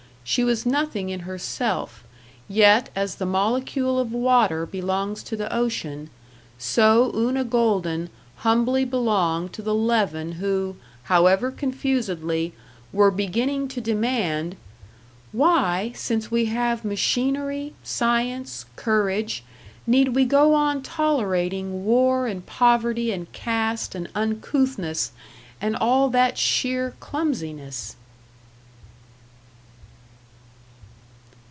She was nothing in herself, yet as the molecule of water belongs to the ocean, so Una Golden humbly belonged to the leaven who, however confusedly, were beginning to demand, "Why, since we have machinery, science, courage, need we go on tolerating war and poverty and caste and uncouthness, and all that sheer clumsiness?"